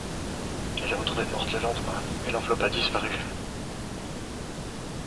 Elle est retrouvée morte le lendemain et l'enveloppe a disparu.